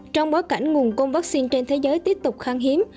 trong bối cảnh nguồn cung vaccine trên thế giới tiếp tục kháng hiếm